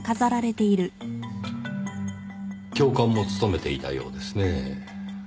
教官も務めていたようですねぇ。